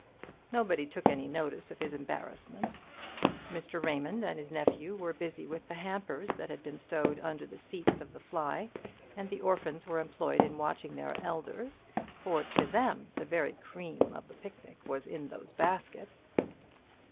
Nobody took any notice of his embarrassment. Mr. Raymond and his nephew were busy with the hampers that had been stowed under the seats of the fly, and the orphans were employed in watching their elders, for to them the very cream of the picnic was in those baskets.